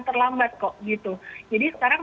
terlambat kok gitu jadi sekarang